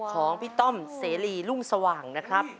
ของพี่ต้อมเสรีรุ่งสว่างนะครับ